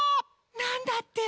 なんだって！？